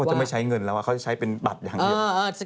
ก็ว่าจะไม่ใช้เงินแล้วอะเขาจะใช้ที่เป็นบัตรอย่างนี้